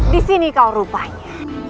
di sini kau rupanya